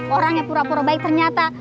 orang yang pura pura baik ternyata